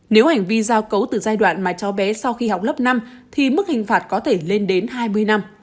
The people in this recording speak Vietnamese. nếu hành vi giao cấu từ giai đoạn mà cháu bé sau khi học lớp năm thì mức hình phạt có thể lên đến hai mươi năm